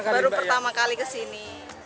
baru pertama kali ke sini